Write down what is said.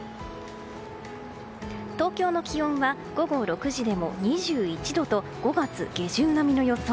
東京の気温は午後６時でも２１度と５月下旬並みの予想。